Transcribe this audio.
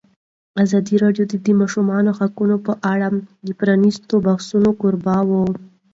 ازادي راډیو د د ماشومانو حقونه په اړه د پرانیستو بحثونو کوربه وه.